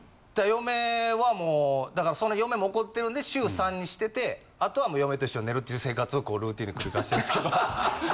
嫁はもうだから嫁も怒ってるんで週３にしててあとは嫁と一緒に寝るっていう生活をルーティンで繰り返してるんですけど。